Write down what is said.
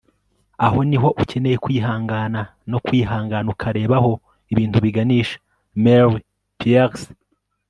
aho niho ukeneye kwihangana no kwihangana ukareba aho ibintu biganisha. - mary pierce